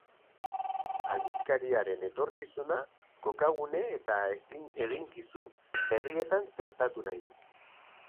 Aldizkariaren etorkizuna kokagune eta eginkizun berrietan txertatu nahi du.